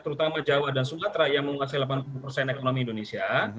terutama jawa dan sumatra yang menghasilkan delapan puluh ekonomi indonesia